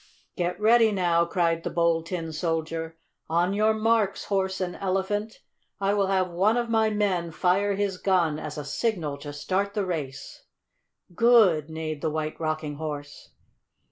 "Get ready now!" cried the Bold Tin Soldier. "On your marks, Horse and Elephant! I will have one of my men fire his gun as a signal to start the race!" "Good!" neighed the White Rocking Horse.